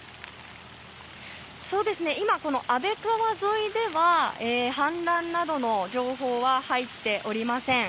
今、安倍川沿いでは氾濫などの情報は入っておりません。